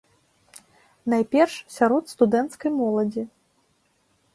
Найперш сярод студэнцкай моладзі.